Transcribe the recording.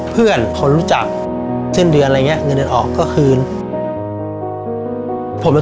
เป็นคำตอบที่